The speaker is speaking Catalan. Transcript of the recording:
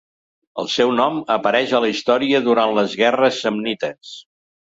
El seu nom apareix a la història durant les guerres samnites.